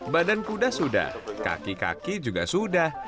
badan kuda sudah kaki kaki juga sudah